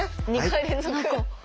２回連続。